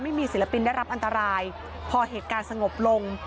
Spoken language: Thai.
ศิลปินได้รับอันตรายพอเหตุการณ์สงบลง